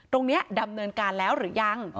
ตรงนี้ดำเนินการแล้วหรือยัง